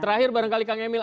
terakhir barangkali kang emil